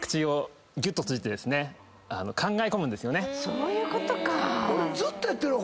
そういうことか。